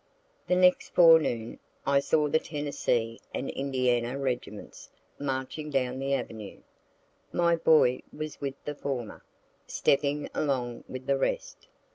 The next forenoon I saw the Tennessee and Indiana regiments marching down the Avenue. My boy was with the former, stepping along with the rest.